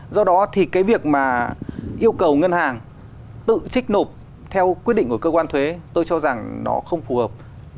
do đó thì cái việc mà yêu cầu ngân hàng tự trích nộp theo quyết định của cơ quan thuế tôi cho rằng nó không phù hợp